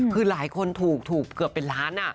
คือหลายคนถูกเกือบเป็นล้าน